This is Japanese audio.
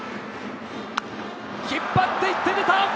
引っ張っていって、出た。